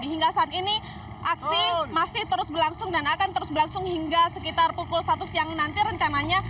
hingga saat ini aksi masih terus berlangsung dan akan terus berlangsung hingga sekitar pukul satu siang nanti rencananya